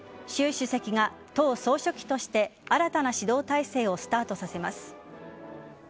主席が党総書記として新たな指導体制をスタートさせます。